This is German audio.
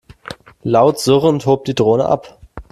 Laut surrend hob die Drohne ab.